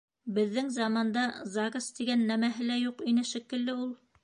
Беҙҙең заманда ЗАГС тигән нәмәһе лә юҡ ине шикелле ул.